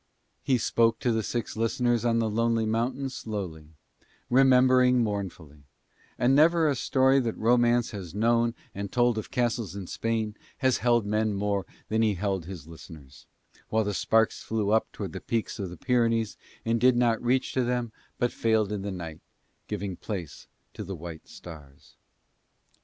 He spoke to the six listeners on the lonely mountain, slowly, remembering mournfully; and never a story that Romance has known and told of castles in Spain has held men more than he held his listeners, while the sparks flew up toward the peaks of the Pyrenees and did not reach to them but failed in the night, giving place to the white stars.